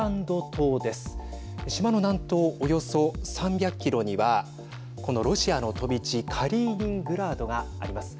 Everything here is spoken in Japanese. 島の南東、およそ３００キロにはこのロシアの飛び地カリーニングラードがあります。